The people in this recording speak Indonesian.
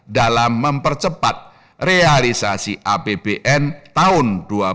dalam mempercepat realisasi apbn tahun dua ribu dua puluh